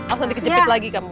awas nanti kecepet lagi kamu